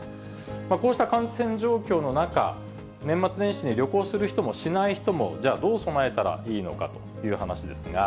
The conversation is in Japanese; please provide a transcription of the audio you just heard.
こうした感染状況の中、年末年始に旅行する人もしない人も、じゃあ、どう備えたらいいのかという話ですが。